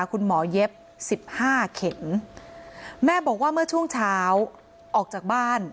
คุณหมอเย็บสิบห้าเข็มแม่บอกว่าเมื่อช่วงเช้าออกจากบ้าน